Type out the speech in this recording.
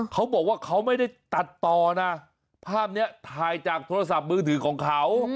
เขาบอกว่าเขาไม่ได้ตัดต่อนะภาพนี้ถ่ายจากโทรศัพท์มือถือของเขา